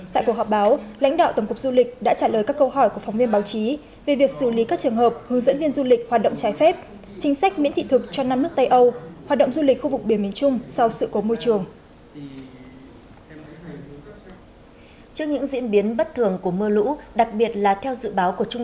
tại cuộc họp báo lãnh đạo tổng cục du lịch đã trả lời các câu hỏi của phóng viên báo chí về việc xử lý các trường hợp hướng dẫn viên du lịch hoạt động trái phép chính sách miễn thị thực cho năm nước tây âu hoạt động du lịch khu vực biển miền trung sau sự cố môi trường